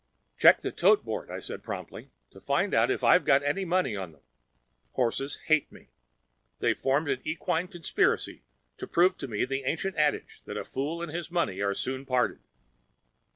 "Check the tote board," I said promptly, "to find out if I've got any money on them. Horses hate me. They've formed an equine conspiracy to prove to me the ancient adage that a fool and his money are soon parted."